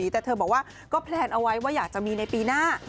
แต่เธอบอกว่าก็แพลนเอาไว้ว่าอยากจะมีในปีหน้า